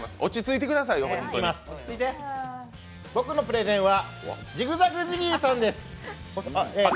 僕のプレゼンはジグザグジギーさんです。